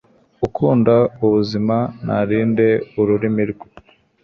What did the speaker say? ukunda ubuzima narinde ururimi rwe